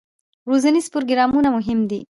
روزنیز پروګرامونه مهم دي